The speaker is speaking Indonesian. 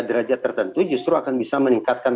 derajat tertentu justru akan bisa meningkatkan